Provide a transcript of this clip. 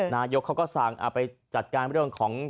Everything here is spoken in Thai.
นายกเขาก็สั่งไปจัดการเรื่องของ